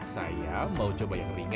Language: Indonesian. saya mau coba yang ringan